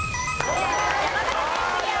山形県クリア。